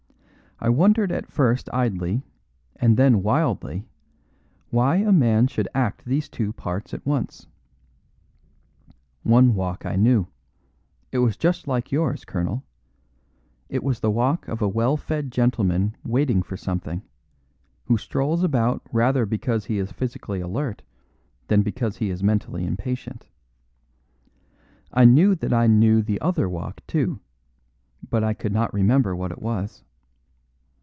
I wondered at first idly and then wildly why a man should act these two parts at once. One walk I knew; it was just like yours, colonel. It was the walk of a well fed gentleman waiting for something, who strolls about rather because he is physically alert than because he is mentally impatient. I knew that I knew the other walk, too, but I could not remember what it was.